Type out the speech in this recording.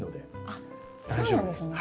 あっそうなんですね。